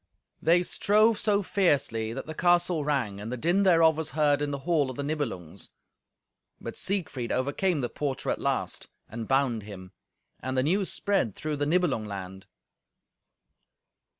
They strove so fiercely that the castle rang, and the din thereof was heard in the hall of the Nibelungs. But Siegfried overcame the porter at last, and bound him. And the news spread through the Nibelung land.